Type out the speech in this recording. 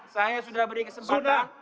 saya sudah beri kesempatan